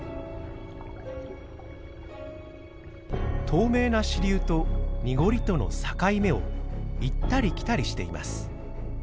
透明な支流と濁りとの境目を行ったり来たりしています。